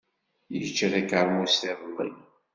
Yečča takeṛmust iḍelli.